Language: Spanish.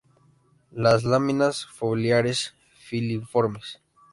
Las láminas foliares filiformes.